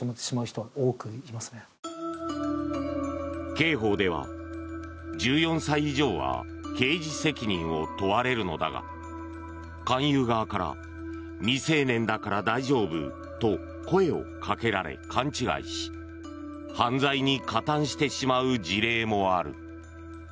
刑法では、１４歳以上は刑事責任を問われるのだが勧誘側から未成年だから大丈夫と声をかけられ、勘違いし犯罪に加担してしまう事例もある。